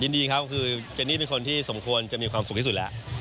ยินดีครับคือเจนี่เป็นคนที่สมควรจะมีความสุขที่สุดแล้ว